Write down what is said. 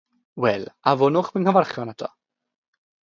Wel, anfonwch fy nghyfarchion ato.